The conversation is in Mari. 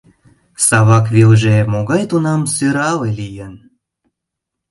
Савак велже могай тунам сӧрале лийын!